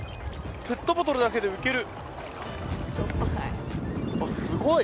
ペットボトルだけで浮ける！